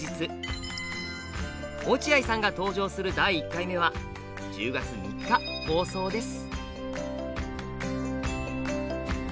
落合さんが登場する第１回目は１０月３日放送です。